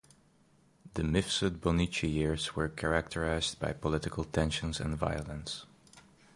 The Mifsud Bonnici years were characterised by political tensions and violence.